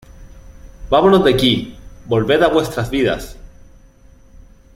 Vámonos de aquí. Volved a vuestras vidas .